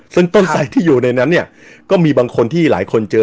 ซึ่งต้นไสที่อยู่ในนั้นเนี่ยก็มีบางคนที่หลายคนเจอ